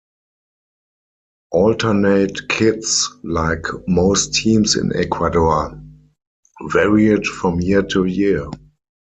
Alternate kits, like most teams in Ecuador, varied from year to year.